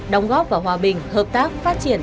đóng góp vào hòa bình hợp tác phát triển